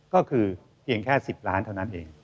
ก็คือเพียงแค่๑๐ล้านเท่านั้นเอง